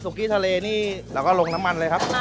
กี้ทะเลนี่เราก็ลงน้ำมันเลยครับ